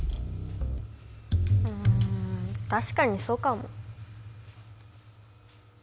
うんたしかにそうかも。